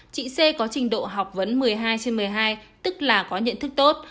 chị c có trình độ học vấn một mươi hai trên một mươi hai tức là có nhận thức tốt